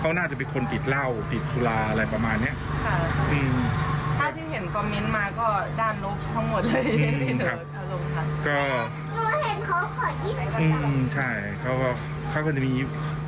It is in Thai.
คนน่าจะมีคนติดเหล้าติดซุลาอะไรประมาณนี้